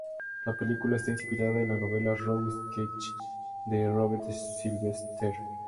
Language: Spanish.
La película está inspirada en la novela "Rough Sketch" de Robert Sylvester.